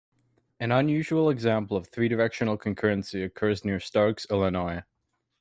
An unusual example of a three-directional concurrency occurs near Starks, Illinois.